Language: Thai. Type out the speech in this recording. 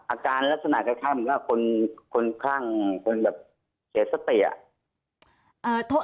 อาการลักษณะแค่คือว่าคุณคลั่งคุณแบบเกลียดสติอะ